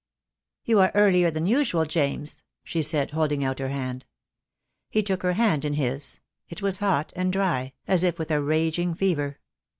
"You are earlier than usual, James," she said, hold ing out her hand. He took the hand in his; it was hot and dry, as if with a raging fever.